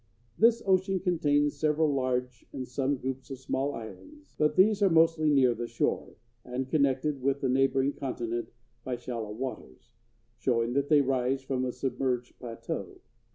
This ocean contains several large and some groups of small islands, but these are mostly near the shore, and connected with the neighboring continent by shallow waters, showing that they rise from a submerged plateau.